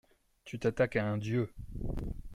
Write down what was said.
Tu t'attaques à un dieu.